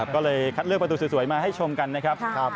ก็เลยคัดเลือกประตูสวยมาให้ชมกันนะครับ